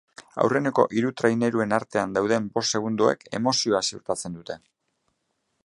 Aurreneko hiru traineruen artean dauden bost segundoek emozioa ziurtatzen dute.